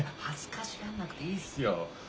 恥ずかしがんなくていいっすよ。